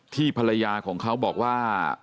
ภรรยาของเขาบอกว่า